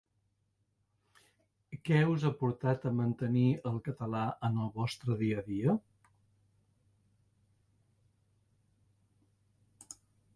Què us ha portat a mantenir el català en el vostre dia a dia?